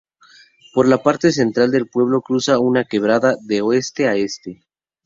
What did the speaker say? Por la parte central del pueblo cruza una quebrada de oeste a este.